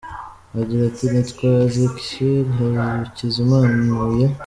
agira ati, Nitwa Ezechiel Hakizimana ntuye.